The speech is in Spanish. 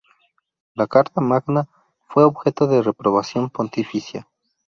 La "Carta Magna" fue objeto de reprobación pontificia.